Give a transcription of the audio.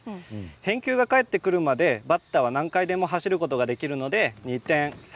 返球が返ってくるまでバッターは何回でも走ることができます。